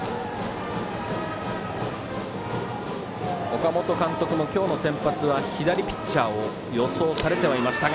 岡本監督も今日の先発は左ピッチャーを予想されていました。